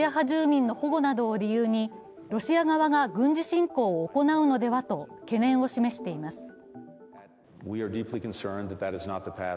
住民の保護などを理由にロシア側が軍事侵攻を行うのではと懸念を示しています。